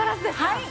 はい！